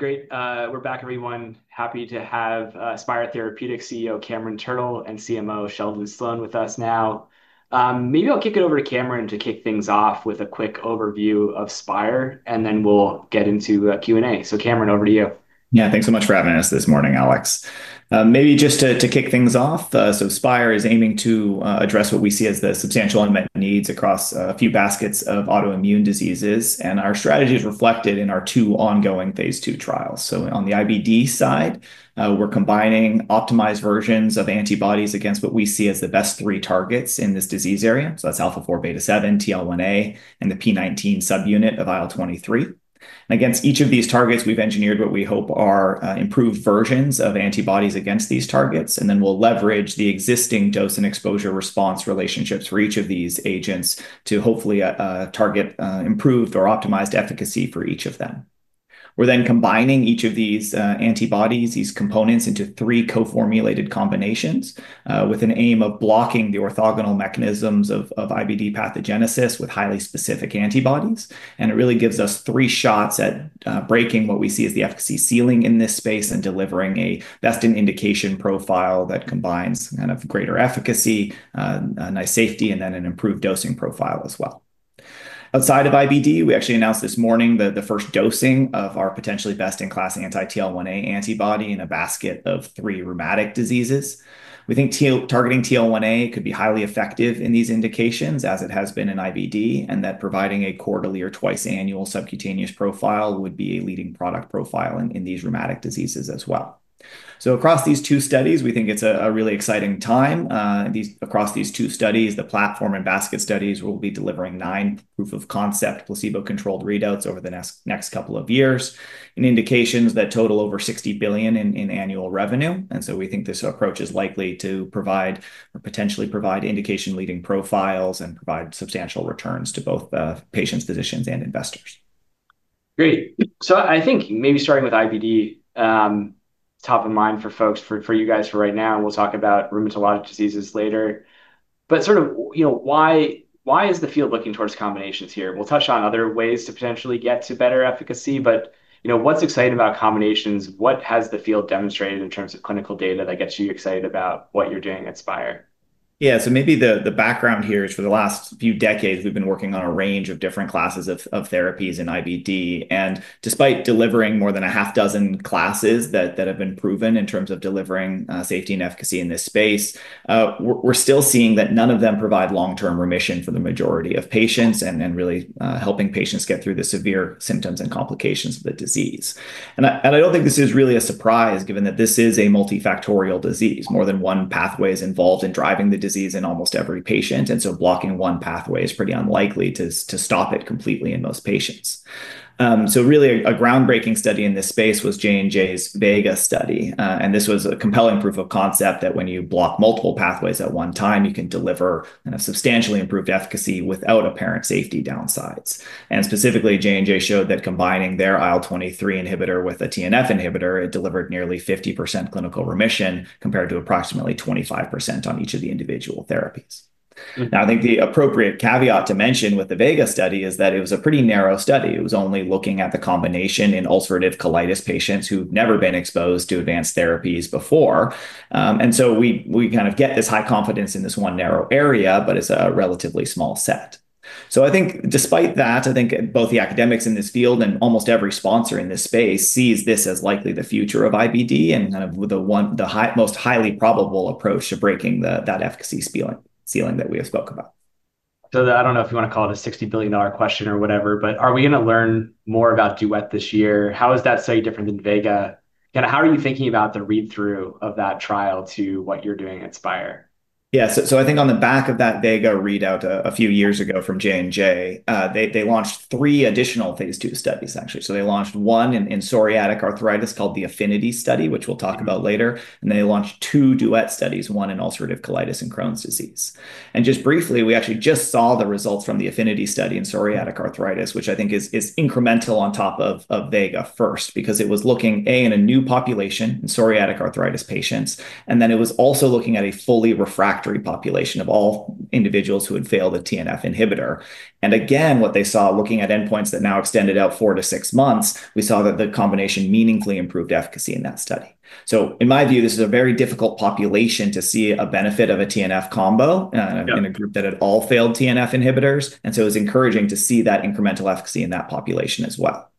Hey, great. We're back, everyone. Happy to have Spyre Therapeutics CEO Cameron Turtle and CMO Sheldon Sloan with us now. Maybe I'll kick it over to Cameron to kick things off with a quick overview of Spyre, and then we'll get into a Q&A. Cameron, over to you. Yeah, thanks so much for having us this morning, Alex. Maybe just to kick things off, Spyre is aiming to address what we see as the substantial unmet needs across a few baskets of autoimmune diseases, and our strategy is reflected in our two ongoing phase II trials. On the IBD side, we're combining optimized versions of antibodies against what we see as the best three targets in this disease area. That's α4β7, TL1A, and the p19 subunit of IL-23. Against each of these targets, we've engineered what we hope are improved versions of antibodies against these targets, and then we'll leverage the existing dose and exposure response relationships for each of these agents to hopefully target improved or optimized efficacy for each of them. We're combining each of these antibodies, these components, into three co-formulated combinations with an aim of blocking the orthogonal mechanisms of IBD pathogenesis with highly specific antibodies. It really gives us three shots at breaking what we see as the efficacy ceiling in this space and delivering a best-in-indication profile that combines greater efficacy, a nice safety, and then an improved dosing profile as well. Outside of IBD, we actually announced this morning the first dosing of our potentially best-in-class anti-TL1A antibody in a basket of three rheumatic diseases. We think targeting TL1A could be highly effective in these indications, as it has been in IBD, and that providing a quarterly or twice annual subcutaneous profile would be a leading product profile in these rheumatic diseases as well. Across these two studies, we think it's a really exciting time. Across these two studies, the platform and basket studies will be delivering nine proof-of-concept placebo-controlled readouts over the next couple of years, in indications that total over $60 billion in annual revenue. We think this approach is likely to potentially provide indication-leading profiles and provide substantial returns to both patients, physicians, and investors. Great. I think maybe starting with IBD, top of mind for folks, for you guys for right now, and we'll talk about rheumatologic diseases later. Sort of, you know, why is the field looking towards combinations here? We'll touch on other ways to potentially get to better efficacy, but you know, what's exciting about combinations? What has the field demonstrated in terms of clinical data that gets you excited about what you're doing at Spyre? Yeah, so maybe the background here is for the last few decades, we've been working on a range of different classes of therapies in IBD. Despite delivering more than a half dozen classes that have been proven in terms of delivering safety and efficacy in this space, we're still seeing that none of them provide long-term remission for the majority of patients and really helping patients get through the severe symptoms and complications of the disease. I don't think this is really a surprise given that this is a multifactorial disease. More than one pathway is involved in driving the disease in almost every patient, and blocking one pathway is pretty unlikely to stop it completely in most patients. A groundbreaking study in this space was J&J's VEGA study. This was a compelling proof of concept that when you block multiple pathways at one time, you can deliver kind of substantially improved efficacy without apparent safety downsides. Specifically, J&J showed that combining their IL-23 inhibitor with a TNF inhibitor delivered nearly 50% clinical remission compared to approximately 25% on each of the individual therapies. I think the appropriate caveat to mention with the VEGA study is that it was a pretty narrow study. It was only looking at the combination in ulcerative colitis patients who've never been exposed to advanced therapies before. We kind of get this high confidence in this one narrow area, but it's a relatively small set. I think despite that, I think both the academics in this field and almost every sponsor in this space sees this as likely the future of IBD and kind of the most highly probable approach to breaking that efficacy ceiling that we have spoken about. I don't know if you want to call it a $60 billion question or whatever, but are we going to learn more about Duet this year? How is that study different than VEGA? Kind of how are you thinking about the read-through of that trial to what you're doing at Spyre? Yeah, I think on the back of that VEGA readout a few years ago from J&J, they launched three additional phase II studies, actually. They launched one in psoriatic arthritis called the AFFINITY study, which we'll talk about later. They launched two [Duet] studies, one in ulcerative colitis and Crohn's disease. Just briefly, we actually just saw the results from the Affinity study in psoriatic arthritis, which I think is incremental on top of VEGA first because it was looking, A, in a new population in psoriatic arthritis patients, and then it was also looking at a fully refractory population of all individuals who had failed a TNF inhibitor. Again, what they saw, looking at endpoints that now extended out four to six months, we saw that the combination meaningfully improved efficacy in that study. In my view, this is a very difficult population to see a benefit of a TNF combo in a group that had all failed TNF inhibitors. It was encouraging to see that incremental efficacy in that population as well.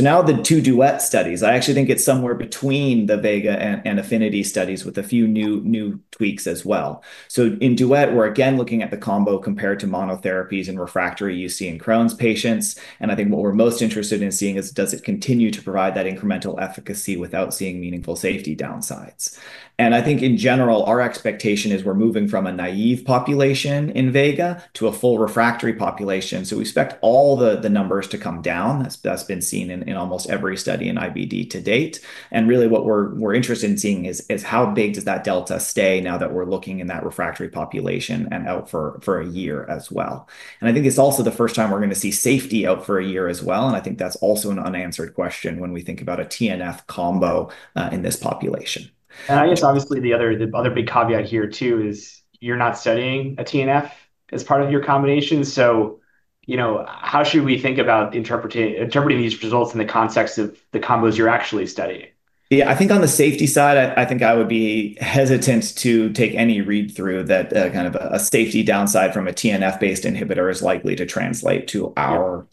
Now, the two Duet studies, I actually think it's somewhere between the VEGA and AFFINITY studies with a few new tweaks as well. In Duet, we're again looking at the combo compared to monotherapies and refractory UC and Crohn's patients. I think what we're most interested in seeing is does it continue to provide that incremental efficacy without seeing meaningful safety downsides. I think in general, our expectation is we're moving from a naive population in VEGA to a full refractory population. We expect all the numbers to come down. That's been seen in almost every study in IBD to date. Really what we're interested in seeing is how big does that delta stay now that we're looking in that refractory population and out for a year as well. I think it's also the first time we're going to see safety out for a year as well. I think that's also an unanswered question when we think about a TNF combo in this population. Obviously, the other big caveat here too is you're not studying a TNF as part of your combination. How should we think about interpreting these results in the context of the combos you're actually studying? Yeah, I think on the safety side, I would be hesitant to take any read-through that kind of a safety downside from a TNF-based inhibitor is likely to translate to our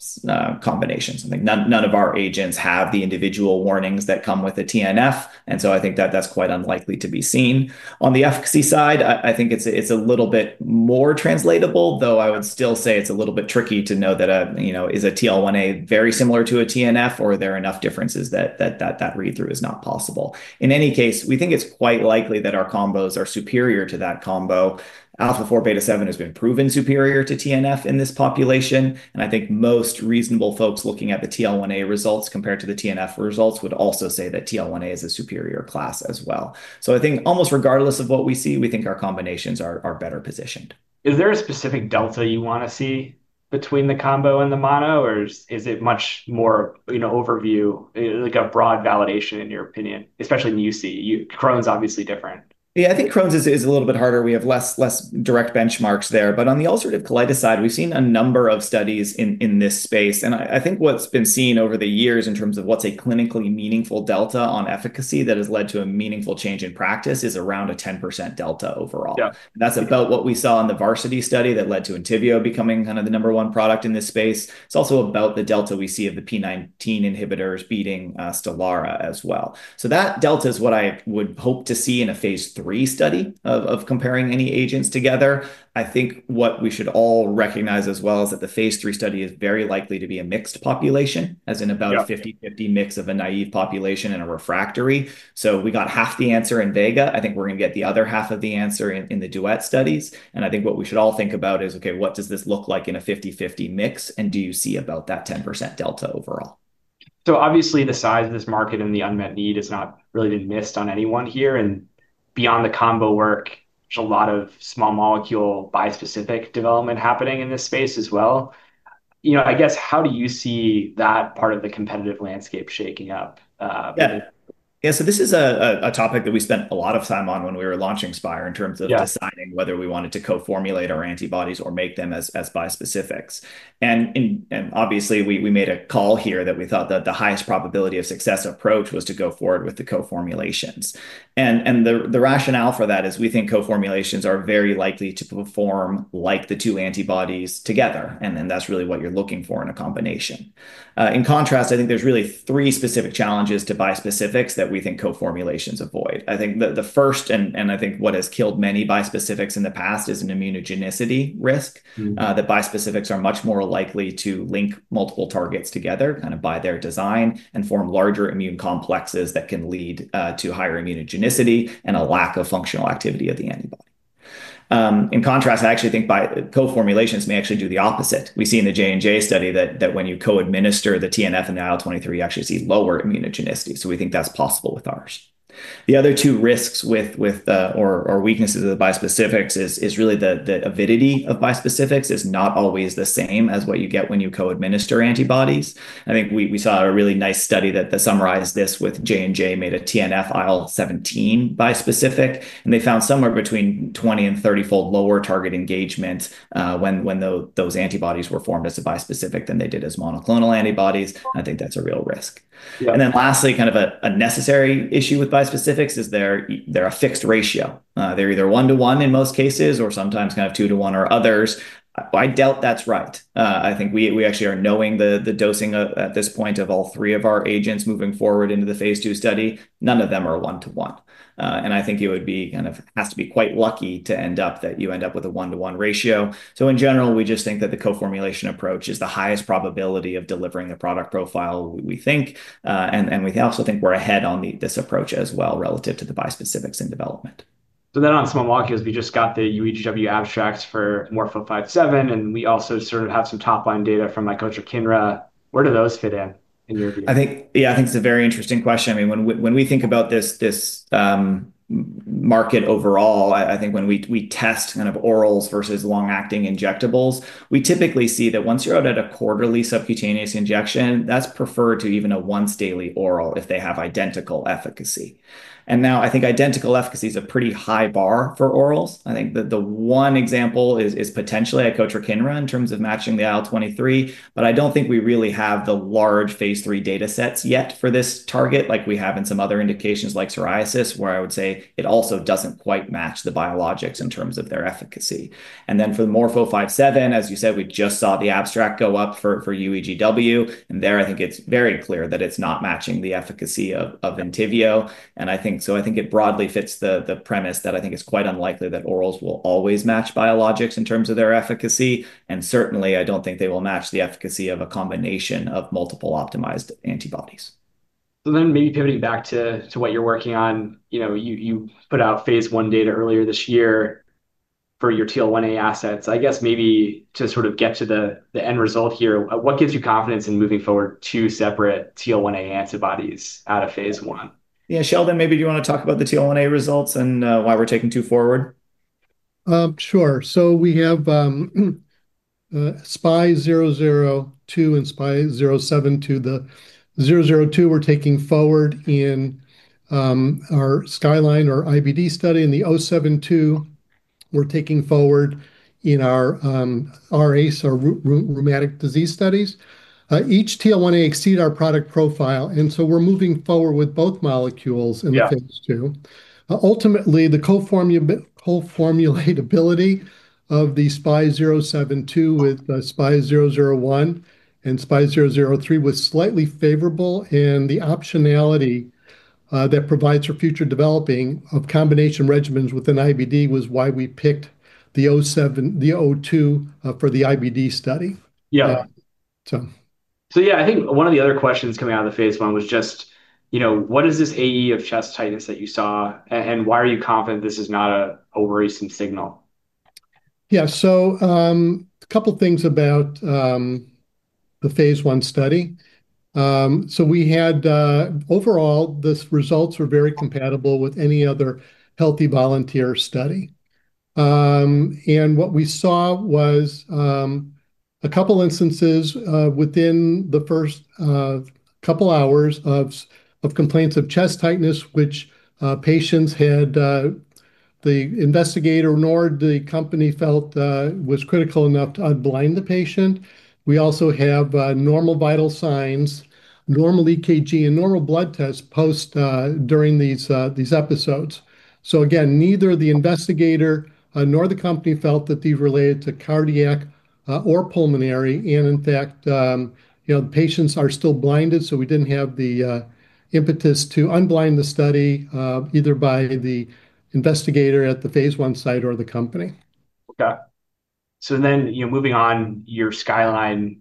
combinations. I think none of our agents have the individual warnings that come with the TNF, and I think that that's quite unlikely to be seen. On the efficacy side, I think it's a little bit more translatable, though I would still say it's a little bit tricky to know that, you know, is a TL1A very similar to a TNF or are there enough differences that that read-through is not possible. In any case, we think it's quite likely that our combos are superior to that combo. α4β7 has been proven superior to TNF in this population. I think most reasonable folks looking at the TL1A results compared to the TNF results would also say that TL1A is a superior class as well. I think almost regardless of what we see, we think our combinations are better positioned. Is there a specific delta you want to see between the combo and the mono, or is it much more, you know, overview, like a broad validation in your opinion, especially in UC? Crohn's obviously different. Yeah, I think Crohn's is a little bit harder. We have less direct benchmarks there. On the ulcerative colitis side, we've seen a number of studies in this space. I think what's been seen over the years in terms of what's a clinically meaningful delta on efficacy that has led to a meaningful change in practice is around a 10% delta overall. That's about what we saw in the Varsity study that led to Entyvio becoming kind of the number one product in this space. It's also about the delta we see of the P19 inhibitors beating STELARA as well. That delta is what I would hope to see in a phase three study of comparing any agents together. I think what we should all recognize as well is that the phase three study is very likely to be a mixed population, as in about a 50-50 mix of a naive population and a refractory. We got half the answer in VEGA. I think we're going to get the other half of the answer in the [Duet] studies. I think what we should all think about is, okay, what does this look like in a 50-50 mix? Do you see about that 10% delta overall? Obviously, the size of this market and the unmet need has not really been missed on anyone here. Beyond the combo work, there's a lot of small molecule bispecific development happening in this space as well. I guess how do you see that part of the competitive landscape shaking up? Yeah, so this is a topic that we spent a lot of time on when we were launching Spyre in terms of deciding whether we wanted to co-formulate our antibodies or make them as bispecifics. Obviously, we made a call here that we thought that the highest probability of success approach was to go forward with the co-formulations. The rationale for that is we think co-formulations are very likely to perform like the two antibodies together, and that's really what you're looking for in a combination. In contrast, I think there's really three specific challenges to bispecifics that we think co-formulations avoid. I think the first, and I think what has killed many bispecifics in the past, is an immunogenicity risk, that bispecifics are much more likely to link multiple targets together, kind of by their design, and form larger immune complexes that can lead to higher immunogenicity and a lack of functional activity of the antibody. In contrast, I actually think co-formulations may actually do the opposite. We see in the J&J study that when you co-administer the TNF and the IL-23, you actually see lower immunogenicity. We think that's possible with ours. The other two risks with or weaknesses of bispecifics is really the avidity of bispecifics is not always the same as what you get when you co-administer antibodies. I think we saw a really nice study that summarized this with J&J made a TNF IL-17 bispecific, and they found somewhere between 20 and 30-fold lower target engagement when those antibodies were formed as a bispecific than they did as monoclonal antibodies. I think that's a real risk. Lastly, kind of a necessary issue with bispecifics is they're a fixed ratio. They're either one-to-one in most cases or sometimes kind of two-to-one or others. I doubt that's right. I think we actually are knowing the dosing at this point of all three of our agents moving forward into the phase II study. None of them are one-to-one. I think it would be kind of, has to be quite lucky to end up that you end up with a one-to-one ratio. In general, we just think that the co-formulation approach is the highest probability of delivering the product profile we think. We also think we're ahead on this approach as well relative to the bispecifics in development. On small molecules, we just got the ECCO abstracts for MORF-057, and we also sort of have some top-line data from mirikizumab. Where do those fit in in your view? Yeah, I think it's a very interesting question. I mean, when we think about this market overall, I think when we test kind of orals versus long-acting injectables, we typically see that once you're out at a quarterly subcutaneous injection, that's preferred to even a once-daily oral if they have identical efficacy. I think identical efficacy is a pretty high bar for orals. I think the one example is potentially a co-formulation in terms of matching the IL-23, but I don't think we really have the large phase III data sets yet for this target, like we have in some other indications like psoriasis, where I would say it also doesn't quite match the biologics in terms of their efficacy. For the Morpho 5-7, as you said, we just saw the abstract go up for UEGW, and there I think it's very clear that it's not matching the efficacy of Entyvio. I think it broadly fits the premise that I think it's quite unlikely that orals will always match biologics in terms of their efficacy, and certainly I don't think they will match the efficacy of a combination of multiple optimized antibodies. Maybe pivoting back to what you're working on, you put out phase I data earlier this year for your TL1A assets. I guess maybe to sort of get to the end result here, what gives you confidence in moving forward two separate TL1A antibodies out of phase I? Yeah, Sheldon, maybe do you want to talk about the TL1A results and why we're taking two forward? Sure. We have SPY002 and SPY072. The 002 we're taking forward in our SKYLINE or IBD study, and the 072 we're taking forward in our [SKYWAY] or rheumatic disease studies. Each TL1A exceeded our product profile, and we're moving forward with both molecules in the phase II. Ultimately, the co-formulation ability of the SPY072 with SPY001 and SPY003 was slightly favorable, and the optionality that provides for future developing of combination regimens within IBD was why we picked the 002 for the IBD study. Yeah, I think one of the other questions coming out of the phase one was just, you know, what is this AE of chest tightness that you saw, and why are you confident this is not an overrecent signal? Yeah, a couple of things about the phase one study. We had, overall, the results were very compatible with any other healthy volunteer study. What we saw was a couple of instances within the first couple of hours of complaints of chest tightness, which patients had. The investigator nor the company felt this was critical enough to unblind the patient. We also have normal vital signs, normal EKG, and normal blood tests during these episodes. Neither the investigator nor the company felt that these were related to cardiac or pulmonary, and in fact, the patients are still blinded, so we didn't have the impetus to unblind the study either by the investigator at the phase one site or the company. Yeah. Moving on, your SKYLINE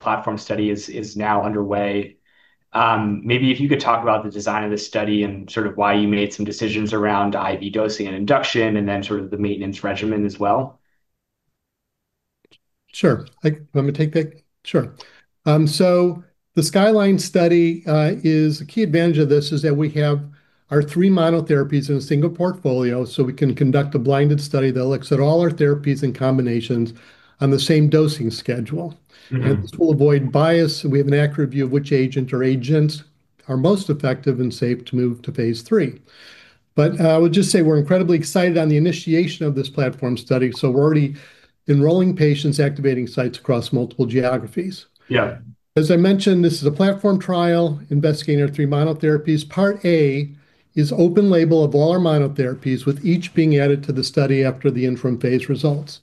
platform study is now underway. Maybe if you could talk about the design of the study and sort of why you made some decisions around IV dosing and induction, and then sort of the maintenance regimen as well. I'm going to take that. The SKYLINE study, a key advantage of this is that we have our three monotherapies in a single portfolio, so we can conduct a blinded study that looks at all our therapies and combinations on the same dosing schedule. This will avoid bias, and we have an accurate view of which agent or agents are most effective and safe to move to phase three. I would just say we're incredibly excited on the initiation of this platform study, so we're already enrolling patients, activating sites across multiple geographies. Yeah. As I mentioned, this is a platform trial investigating our three monotherapies. Part A is open-label of all our monotherapies, with each being added to the study after the interim phase results.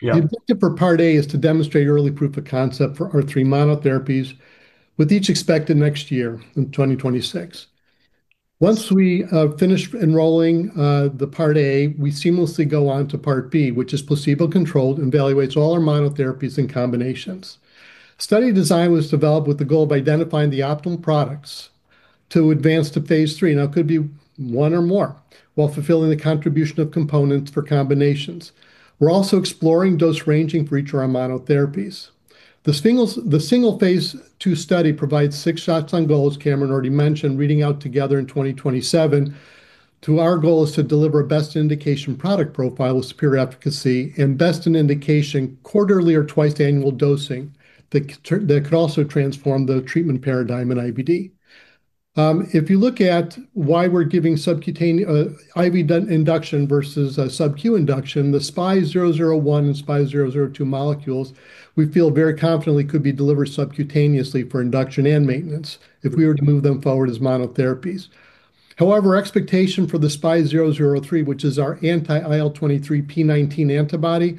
Yeah. The objective for Part A is to demonstrate early proof of concept for our three monotherapies, with each expected next year in 2026. Once we finish enrolling the Part A, we seamlessly go on to Part B, which is placebo-controlled and evaluates all our monotherapies and combinations. Study design was developed with the goal of identifying the optimal products to advance to phase three. Now, it could be one or more while fulfilling the contribution of components for combinations. We're also exploring dose ranging for each of our monotherapies. The single phase two study provides six shots on goal, Cameron already mentioned, reading out together in 2027. Our goal is to deliver a best in indication product profile with superior efficacy and best in indication quarterly or twice annual dosing that could also transform the treatment paradigm in IBD. If you look at why we're giving subcutaneous IV induction versus subcutaneous induction, the SPY001 and SPY002 molecules, we feel very confidently could be delivered subcutaneously for induction and maintenance if we were to move them forward as monotherapies. However, our expectation for the SPY003, which is our anti-IL-23 P19 antibody,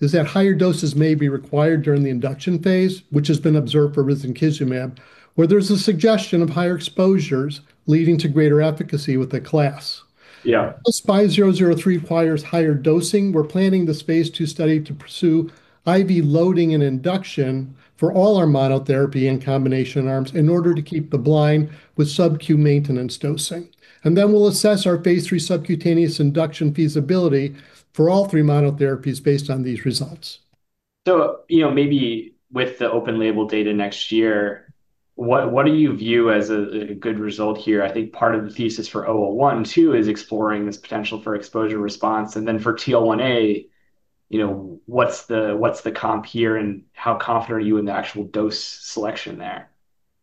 is that higher doses may be required during the induction phase, which has been observed for risankizumab, where there's a suggestion of higher exposures leading to greater efficacy with the class. Yeah. SPY003 requires higher dosing. We're planning the study to pursue IV loading and induction for all our monotherapy and combination arms in order to keep the blind with subcutaneous maintenance dosing. We'll assess our phase III subcutaneous induction feasibility for all three monotherapies based on these results. Maybe with the open-label data next year, what do you view as a good result here? I think part of the thesis for OL-1 too is exploring this potential for exposure response. For TL1A, what's the comp here and how confident are you in the actual dose selection there?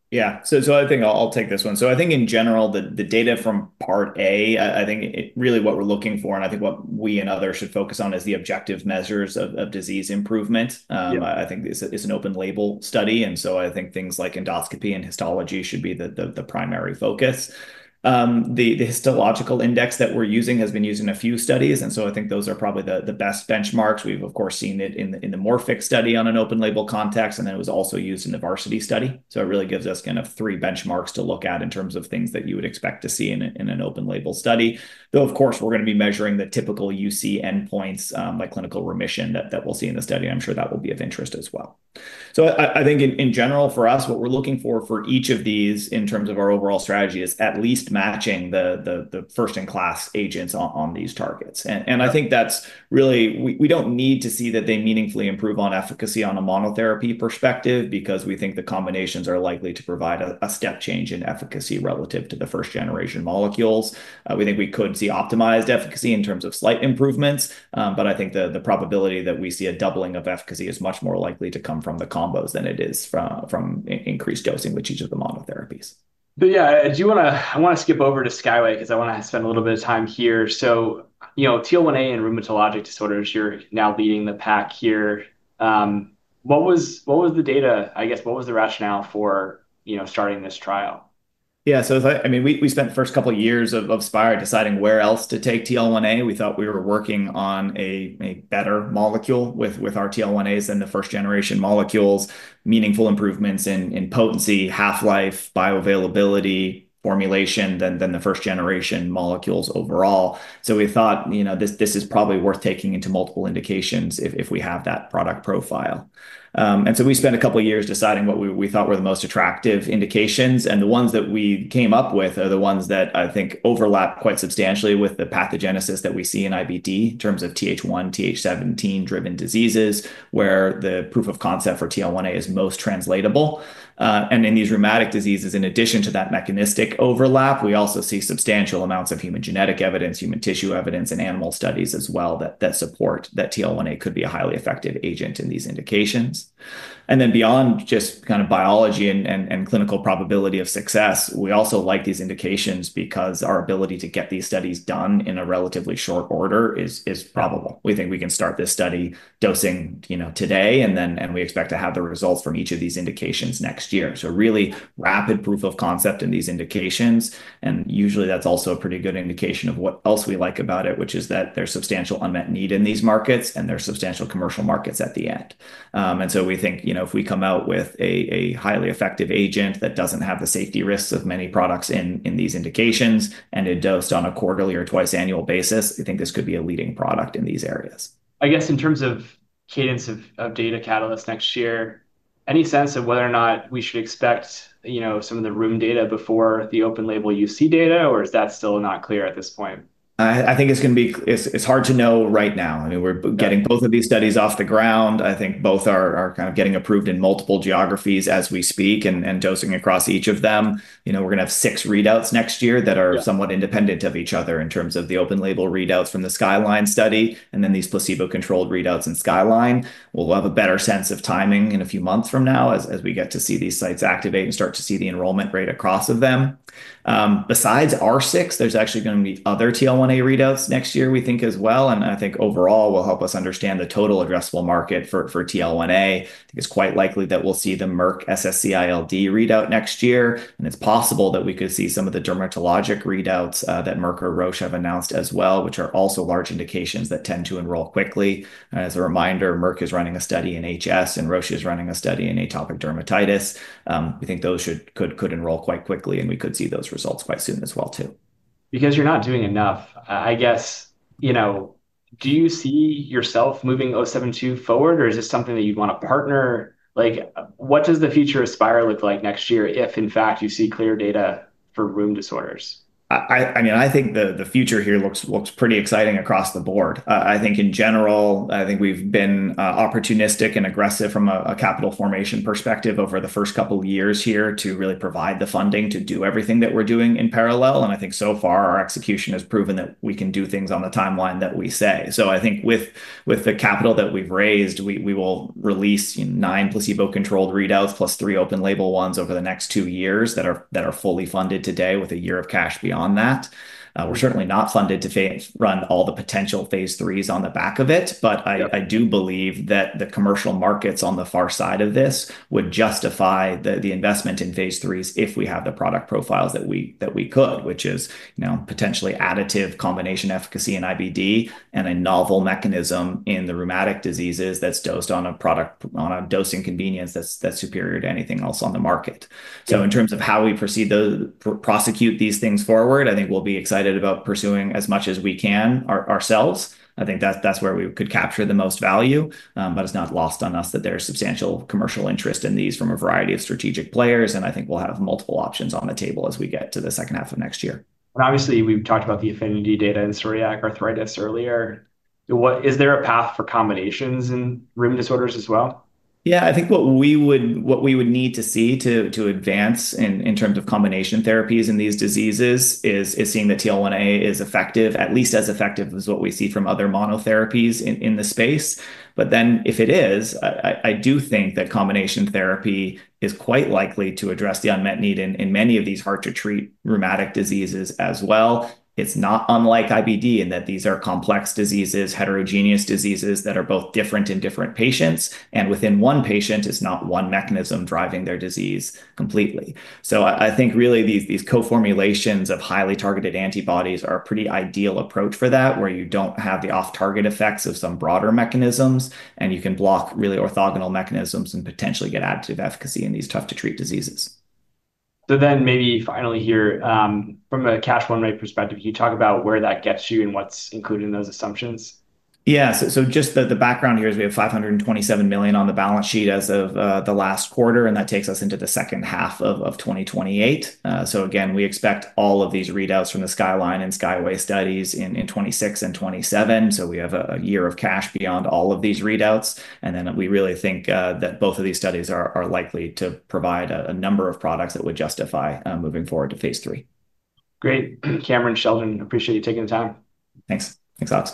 Yeah, I think I'll take this one. In general, the data from Part A, really what we're looking for and what we and others should focus on is the objective measures of disease improvement. It's an open-label study, so things like endoscopy and histology should be the primary focus. The histological index that we're using has been used in a few studies, and those are probably the best benchmarks. We've seen it in the [MorPhic] study in an open-label context, and it was also used in the VARSITY study. It really gives us three benchmarks to look at in terms of things that you would expect to see in an open-label study. Of course, we're going to be measuring the typical UC endpoints, like clinical remission that we'll see in the study, and I'm sure that will be of interest as well. In general for us, what we're looking for for each of these in terms of our overall strategy is at least matching the first-in-class agents on these targets. We don't need to see that they meaningfully improve on efficacy on a monotherapy perspective because we think the combinations are likely to provide a step change in efficacy relative to the first-generation molecules. We think we could see optimized efficacy in terms of slight improvements, but the probability that we see a doubling of efficacy is much more likely to come from the combos than it is from increased dosing with each of the monotherapies. Yeah, do you want to, I want to skip over to SKYWAY because I want to spend a little bit of time here. You know, TL1A and rheumatologic disorders, you're now leading the pack here. What was the data, I guess, what was the rationale for starting this trial? Yeah, so I mean, we spent the first couple of years of Spyre deciding where else to take TL1A. We thought we were working on a better molecule with our TL1As than the first-generation molecules, meaningful improvements in potency, half-life, bioavailability, formulation than the first-generation molecules overall. We thought, you know, this is probably worth taking into multiple indications if we have that product profile. We spent a couple of years deciding what we thought were the most attractive indications. The ones that we came up with are the ones that I think overlap quite substantially with the pathogenesis that we see in IBD in terms of TH1, TH17-driven diseases, where the proof of concept for TL1A is most translatable. In these rheumatic diseases, in addition to that mechanistic overlap, we also see substantial amounts of human genetic evidence, human tissue evidence, and animal studies as well that support that TL1A could be a highly effective agent in these indications. Beyond just kind of biology and clinical probability of success, we also like these indications because our ability to get these studies done in a relatively short order is probable. We think we can start this study dosing, you know, today, and then we expect to have the results from each of these indications next year. Really rapid proof of concept in these indications. Usually that's also a pretty good indication of what else we like about it, which is that there's substantial unmet need in these markets and there's substantial commercial markets at the end. We think, you know, if we come out with a highly effective agent that doesn't have the safety risks of many products in these indications and is dosed on a quarterly or twice annual basis, I think this could be a leading product in these areas. In terms of cadence of data catalyst next year, any sense of whether or not we should expect, you know, some of the rheumatic disease data before the open-label UC data, or is that still not clear at this point? I think it's going to be, it's hard to know right now. We're getting both of these studies off the ground. I think both are kind of getting approved in multiple geographies as we speak and dosing across each of them. We're going to have six readouts next year that are somewhat independent of each other in terms of the open-label readouts from the Skyline study and then these placebo-controlled readouts in SKYLINE. We'll have a better sense of timing in a few months from now as we get to see these sites activate and start to see the enrollment rate across them. Besides our six, there's actually going to be other TL1A readouts next year, we think as well. I think overall will help us understand the total addressable market for TL1A. It's quite likely that we'll see the Merck SSCILD readout next year. It's possible that we could see some of the dermatologic readouts that Merck or Roche have announced as well, which are also large indications that tend to enroll quickly. As a reminder, Merck is running a study in HS and Roche is running a study in atopic dermatitis. We think those could enroll quite quickly and we could see those results quite soon as well too. Because you're not doing enough, I guess, do you see yourself moving SPY072 forward or is this something that you'd want to partner? What does the future of Spyre look like next year if in fact you see clear data for rheumatic diseases? I think the future here looks pretty exciting across the board. I think in general, we've been opportunistic and aggressive from a capital formation perspective over the first couple of years here to really provide the funding to do everything that we're doing in parallel. I think so far our execution has proven that we can do things on the timeline that we say. With the capital that we've raised, we will release nine placebo-controlled readouts plus three open-label ones over the next two years that are fully funded today with a year of cash beyond that. We're certainly not funded to run all the potential phase threes on the back of it. I do believe that the commercial markets on the far side of this would justify the investment in phase threes if we have the product profiles that we could, which is potentially additive combination efficacy in IBD and a novel mechanism in the rheumatic diseases that's dosed on a product, on a dosing convenience that's superior to anything else on the market. In terms of how we proceed to prosecute these things forward, I think we'll be excited about pursuing as much as we can ourselves. I think that's where we could capture the most value, but it's not lost on us that there's substantial commercial interest in these from a variety of strategic players. I think we'll have multiple options on the table as we get to the second half of next year. Obviously we've talked about the AFFINITY data in psoriatic arthritis earlier. Is there a path for combinations in rheumatologic disorders as well? Yeah, I think what we would need to see to advance in terms of combination therapies in these diseases is seeing that TL1A is effective, at least as effective as what we see from other monotherapies in the space. If it is, I do think that combination therapy is quite likely to address the unmet need in many of these hard-to-treat rheumatic diseases as well. It's not unlike IBD in that these are complex diseases, heterogeneous diseases that are both different in different patients. Within one patient, it's not one mechanism driving their disease completely. I think really these co-formulations of highly targeted antibodies are a pretty ideal approach for that, where you don't have the off-target effects of some broader mechanisms, and you can block really orthogonal mechanisms and potentially get additive efficacy in these tough-to-treat diseases. From a cash flow and rate perspective, can you talk about where that gets you and what's included in those assumptions? Yeah, just the background here is we have $527 million on the balance sheet as of the last quarter, and that takes us into the second half of 2028. We expect all of these readouts from the SKYLINE and SKYWAY studies in 2026 and 2027. We have a year of cash beyond all of these readouts. We really think that both of these studies are likely to provide a number of products that would justify moving forward to phase III. Great. Cameron, Sheldon, I appreciate you taking the time. Thanks. Thanks, Alex.